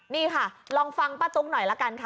นี่ค่ะลองฟังป้าจุ๊กหน่อยละกันค่ะ